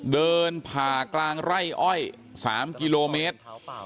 เดินผ่ากลางไร่อ้อย๓กิโลเมตร